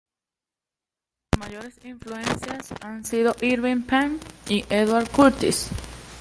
Sus mayores influencias han sido Irving Penn y Edward Curtis.